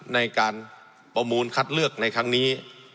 ในการประมูลคัดเลือกในครั้งนี้